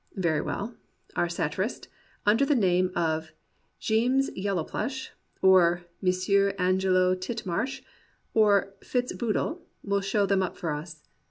Very well, our satirist, under the name of "Jeames Yellow plush," or "M. Angelo Titmarsh," or "Fitz Boo dle," will show them up for us.